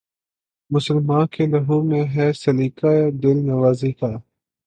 مسلماں کے لہو میں ہے سلیقہ دل نوازی کا